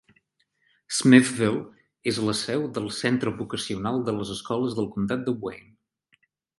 Smithville és la seu del centre vocacional de les escoles del comtat de Wayne.